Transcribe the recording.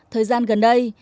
thời gian gần đây